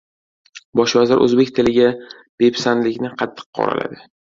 Bosh vazir o‘zbek tiliga bepisandlikni qattiq qoraladi